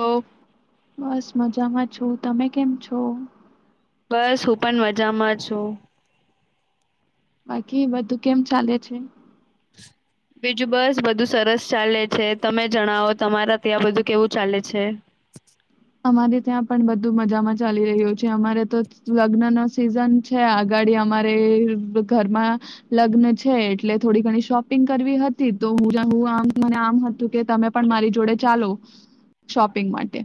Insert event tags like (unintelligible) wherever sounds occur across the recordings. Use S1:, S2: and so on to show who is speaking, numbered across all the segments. S1: તો
S2: બસ મજામાં છું તમે કેમ છો?
S1: બસ હું પણ મજામાં છું.
S2: બાકી બધું કેમ ચાલે છે?
S1: બીજું બસ બધું સરસ ચાલે છે તમે જણાવો તમારા ત્યાં બધું કેવું ચાલે છે?
S2: અમારે ત્યાં પણ બધું મજામાં ચાલી રહ્યું છે અમારે તો લગ્ન નો સિઝન છે આગાડી અમારે ઘરમાં લગ્ન છે એટલે થોડી ઘણી શોપિંગ કરવી હતી તો (unintelligible) આમ હતું કે તમે પણ મારી જોડે ચાલો શોપિંગ માટે.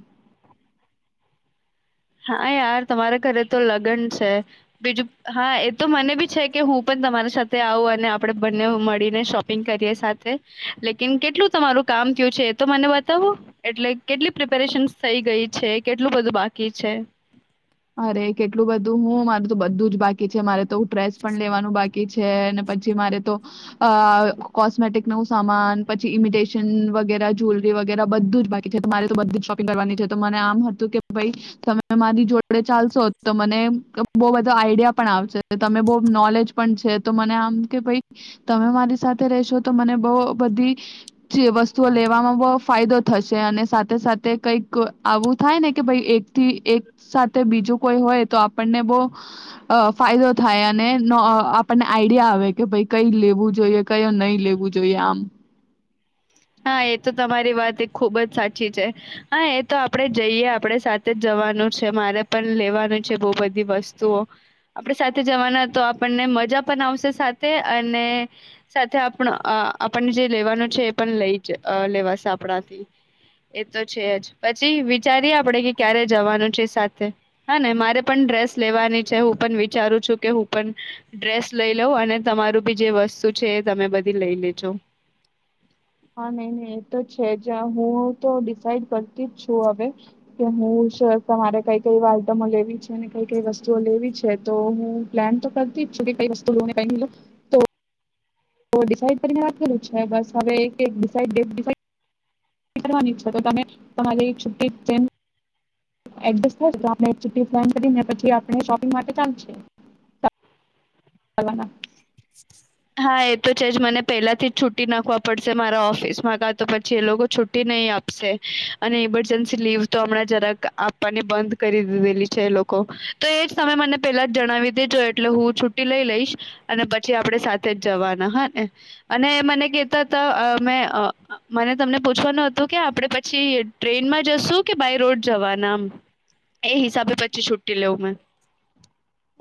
S1: હા યાર તમારા ઘરે તો લગન છે બીજું હા એ તો મને બી છે કે હું પણ તમારી સાથે આવું અને આપડે બંને મડી ને શોપિંગ કરીએ સાથે લેકિન કેટલું તમારું કામ થયું છે એ તો મને બતાવો એટલે કેટલી પ્રિપેરેશનસ થઈ ગઈ છે કેટલું બધું બા કી છે.
S2: અરે કેટલું બધું હું મારે તો બધું જ બાકી છે મારે તો ડ્રેસ પણ લેવાનું બાક કી છે અને પછી મારે તો અ કોસ્મેટિક નું સામાન પછી ઇમિટેશન વગેરા જુલરી વગેરા બધું જ બાકી છે તો બધ શોપિંગ કરવા ની છે તો મને આમ હતું કે ભઈ તમે મારી જોડ આપડે ચાલશો તો મને બહ બધો આઈડિયા પણ આવશે તમે બહ નોલેજ પણ છે તો મને આમ કે ભઈ તમે મારી સાથે રેશો તો મને બઉ બધી (unintelligible) વસ્તુઓ લેવામાં બવ ફાયદો થશે અને સાથે સાથે કઈક આવું થાય ને કે ભાઈ એકથી એક સા બીજું કોઈ હોય તો આપણને બઉ અ ફાયદો થાય અને નો આપણને આઈડિયા આવે કે ભઈ કઈ લેવું જોઈએ કઈ નહી લેવું જોઈએ આમ.
S1: હા એ તો તમારી વાત એક ખુબ જ સાચી છે હા એ તો આપણે જઈએ આપણે સાથે જ જવાનું છે મારે પણ લેવાનું છે બહુ બધી વસ્તુઓ આપણે સાથે જવાના તો આપણને મજા પણ આવશે સાથે અને સાથે આપ આપણને જે લેવાનું છે પણ લઈ લેવાશે આપણાથી એ તો છે જ પછી વિચારીએ આપણેે કે ક્યારે જવાનું છે સાથે હા ને મારે પણ ડ્રેસ લેવાની છે હું પણ વિચારું છું કે હું પણ ડ્રેસ લઈ લઉં અને તમારું બી જે વસ્તુ છે એ તમે બધી લઈ લેજો.
S2: હા નહી નહી એ તો છે જ હું તો ડિસાાઈડ કરતી જ છું હવે કે હું જ મારે કઈ કઈ આઈટમો લેવી છે ને કઈ કઈ વસ્તુઓ લેવી છે તો હું પ્લાન તો કરતી જ છું કે કઈ વસ્તુ લુ ને કઈ વસ્તુ ની લુ તો તો ડિસાઇડ કરીને વાત કરું છે બસ હવે એક એક ડિસાઇડ ડેટ ડિસાઇડ કરવાની છે તો તમે તમારી છૂટી જેમ એકજેસ થાય તો આપડે છૂટી પ્લાન કરીને પછી આપડે શોપિંગ માટે ચાલ (unintelligible)
S1: હા એ તો છે જ મને પેલાથી જ છુટી નાખવા પડશે મારા ઓફિસ માં કા તો પછી એ લોકો છુ્ટ નહી આપશે અને ઈમરજન્સી લીવ તો હમણાં જરાક આપવાની બંધ કરી દીધેલી છે એ લોકો તો એજ તમે મને પેલા જ જણાવી દેજો એટલે હું છુટી લઈ લઈશ. અને પછી આપણે સાથે જ જવાના હા ને અને મને કેહેતા હતા મેં અ અ મને તમને પૂછવાનું હતું કે આપણે પછી ટ્રેનમાં જશું કે બાય રોડ જવાનામ એ હિસાબે પછી છુટી લેઉ મેં.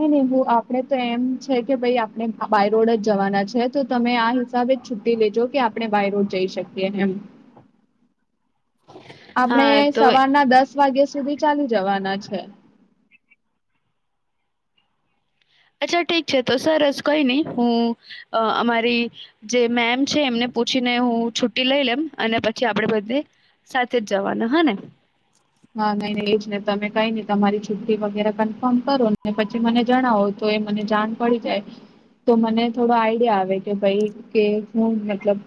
S2: હે નેવું આપણે તો એમ છે કે ભાઈ આપણે બાયરોડ જ જવાના છે તો તમે આ હિસાબે જ છુટી લેજો કે આપણે બાયરોડ જઈ શકીએ એમ.
S1: હા
S2: આપણેે
S1: તો
S2: સવારના દસ વાગ્યા સુધી ચાલી જવાના છે.
S1: અચ્છા ઠીક છે તો સરસ કઈ નહી હું અ અમારી જે મેમ છે એમને પૂછીને હું છુટી લઈ લેમ અને પછી આપડે બધે સાથે જ જવાના હ ને.
S2: હા નહી ન એ જને તમે કઈ નહી તમારી છુટ્ટી વગેરે કન્ફર્મ કરો ને પછી મને જણાવો તો એ મને જાણ પડી જાય તો મને થોડો આઈડિયા આવે કે ભાઈ કે હું મતલબ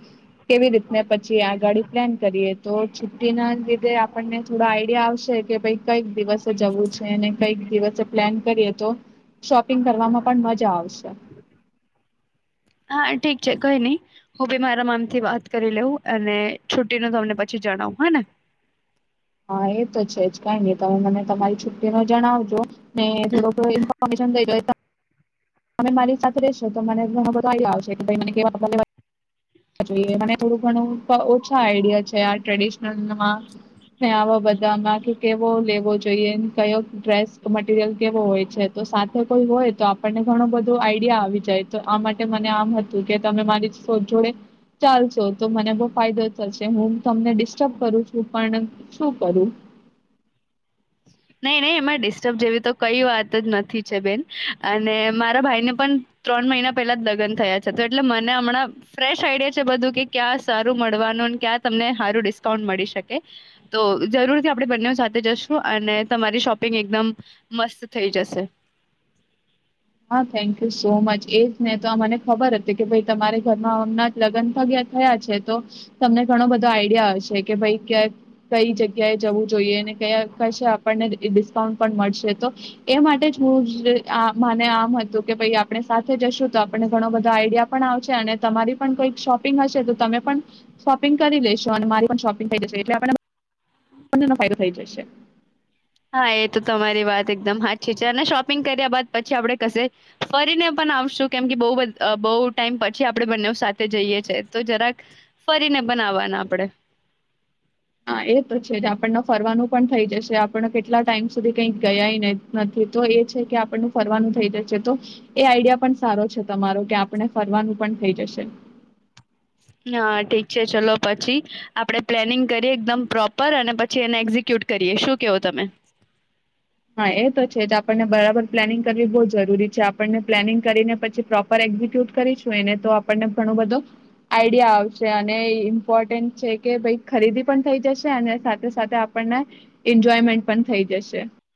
S2: કેવી રીતને પછી આ ગાડી પ્લાન કરીએ તો છુટ્ટી ના લીધે આપણને થોડ આઈ ડિયા આવશે કે ભાઈ કઈક દિવસ જવું છે ને. કઈક દિવસસે પ્લાન કરીએ તો શોપિંગ કરવામાં પણ મજા આવશે.
S1: હા છે. ઠીક કઈ નહી હું ભી મારા મામથી વાત કરી લેઉં અને છુટી નું તમને પછી જણાવ હ ને.
S2: હા એ તો છે જ કાઈ નહી તમે મને તમારી છુટી નો જણાવજો ને. લોકો (unintelligible) તમે મારી સાથે રેશો તો મને ઘણો બધો આઇડિયા આવશે કે ભાઈ મને કેવા કપડા લેવા જોઈએ મને થોડું ઘણું ઓછો આઈડિયા છે આ ટ્રેડિશનલમાં. ને આવા બધામાં કે કેવો લેવો જોઈએ કયો ડ્રેસ મટીરિયલ કેવો હોય છે તો સાથે કોઈ હોય તો આપણને ઘણું બધું આઈડિયા આવી જાય. તો આ માટે મને આમ હતું કે તમે મારી (unintelligible) જોડે ચાલશો તો મને બો ફાયદો થશે હું તમને ડિસ્ટર્બ કરું છું પણ શું કરું.
S1: નહીં નહીં એમાં ડિસ્ટર્બ જેવી તો કઈ વાત જ નથી છે બેન અને મારા ભાઈને પણ ત્રણ મહિના પહેલા જ લગ્ન થયા છે તો એટલે મને હમણાં ફ્રેશ આઈડિયા છે બધું કે ક્યાં સારું મળવાનું ક્યાં તમને હારું ડિસ્કાઉન્ટ મળી શકે તો જરૂરથી આપણે બંને સાથે જશું અને તમારી શોપિંગ એકદમ મસ્ત થઈ જશે.
S2: હા થેન્ક યુ સો મચ એ જ ને તો મને ખબર હતી કે ભઈ તમારે ઘરમાં હમણાં લગન ગ્યા થયા છે તો તમને ઘણો બધો આઈડિયા હશે કે ભાઈ ક્યાં કઈ જગ્યાએ જવું જોઈએ અને કયા કશે આપણને ડિસ્કાઉન્ટ પણ મળશે તો એ માટે જ હું (unintelligible) (unintelligible) મને આમ હતું કે ભાઈ આપણે સાથે જશું તો આપણને ઘણો બધો આઈડિયા પણ આવશે અને તમારી પણ કઈક શોપિંગ હશે તો તમે પણ શોપિંગ કરી લેશો અને મારી પણ શોપિંગ થઈ જશે એટલે આપ પણ તેનો ફાયદો થઈ જશે.
S1: હા એ તો તમારી વાત એકદમ હાચી છે, અને શોપિંગ કર્યા બાદ પછી આપણે કશે ફરીને પણ આવશું કેમ કે બોવ બ બોવ ટાઈમ પછી આપણે બંને સાથે જઈએ છે તો જરાક ફરીને પણ આવવાના આપણેે
S2: હા, એ તો છે આપણને ફરવાનું પણ થઈ જશે આપણ કેટલા ટાઈમ સુધી કંઈક ગયા નથી, તો એ છે કે આપણ ફરવાનું થઈ જશે તો એ આઈડિયા પણ સારો છે તમારો કે આપણે ફરવાનું પણ થઈ જશે
S1: હા, ઠીક છે, ચલો પછી આપડે પ્લેનિંગ કરીએ એકદમ પ્રોપર અને પછી એને એક્ઝિક્યુટ કરીએ શું કેવો તમે
S2: હા, એ તો છે જ આપણને બરાબર પ્લાનિંગ કરવી બહુ જરૂરી છે, આપણને પ્લાનિંગ કરીને પછી પ્રોપર એક્ઝિક્યુટ કરીશું એને તો આપણને ઘણો બધો આઈડિયા આવશે અને ઇમ્પોર્ટન્ટ છે કે ભાઈ ખરીદી પણ થઈ જશે અને સાથે સાથે આપણને એન્જોયમેન્ટ પણ થઈ જશે